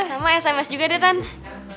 sama sms juga deh tan